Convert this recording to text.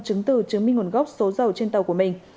chứng từ chứng minh nguồn gốc số dầu trên tàu của mình